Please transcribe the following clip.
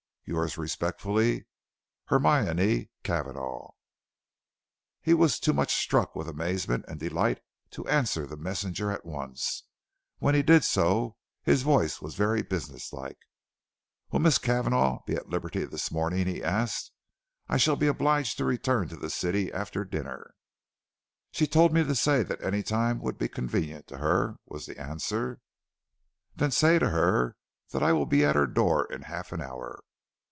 "Yours respectfully, "HERMIONE CAVANAGH." He was too much struck with amazement and delight to answer the messenger at once. When he did so, his voice was very business like. "Will Miss Cavanagh be at liberty this morning?" he asked. "I shall be obliged to return to the city after dinner." "She told me to say that any time would be convenient to her," was the answer. "Then say to her that I will be at her door in half an hour."